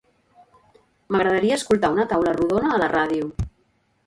M'agradaria escoltar una taula rodona a la ràdio.